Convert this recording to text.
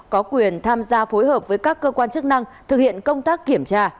có quyền tham gia phối hợp với các cơ quan chức năng thực hiện công tác kiểm tra